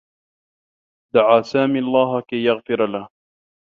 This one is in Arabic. دعى سامي لله كي يغفر له.